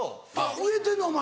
植えてんのお前。